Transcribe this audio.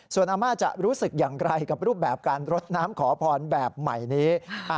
ส่วนอาม่าจะรู้สึกอย่างไรกับรูปแบบการรดน้ำขอพรแบบใหม่นี้